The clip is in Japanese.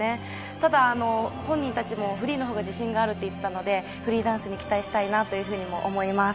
ただ本人たちもフリーの方が自信があると言っていたのでフリーダンスに期待したいと思います。